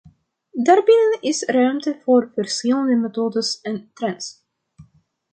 Daarbinnen is ruimte voor verschillende methodes en trends.